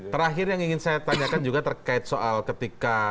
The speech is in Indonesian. terakhir yang ingin saya tanyakan juga terkait soal ketika